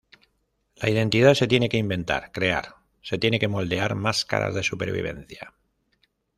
La identidad se tiene que inventar, crear, se tiene que moldear máscaras de supervivencia.